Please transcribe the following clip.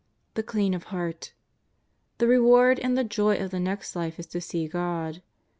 The clean of heart. The reward and the joy of the next life is to see God.